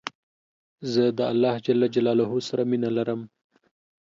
زه د الله ج سره مينه لرم